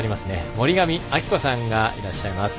森上亜希子さんがいらっしゃいます。